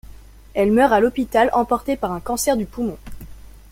Elle meurt à l’hôpital, emportée par un cancer du poumon.